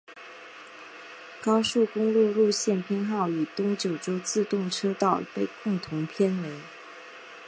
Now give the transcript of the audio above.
高速公路路线编号与东九州自动车道被共同编为。